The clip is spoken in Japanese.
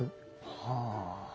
はあ。